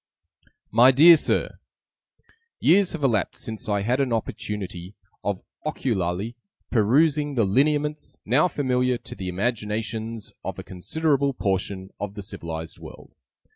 'My Dear Sir, 'Years have elapsed, since I had an opportunity of ocularly perusing the lineaments, now familiar to the imaginations of a considerable portion of the civilized world.